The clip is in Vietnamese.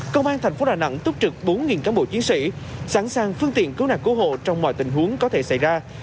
công an thành phố đà nẵng túc trực bốn cán bộ chiến sĩ sẵn sàng phương tiện cứu nạn cứu hộ trong mọi tình huống có thể xảy ra